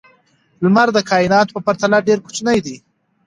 لمر د کائناتو په پرتله ډېر کوچنی دی.